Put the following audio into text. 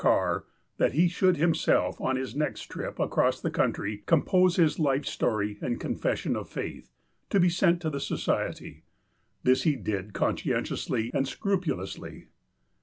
Carr, that he should himself, on his next trip across the country, compose his life story and confession of faith, to be sent to the Society. This he did conscientiously and scrupulously.